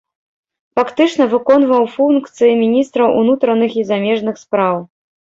Фактычна выконваў функцыі міністра унутраных і замежных спраў.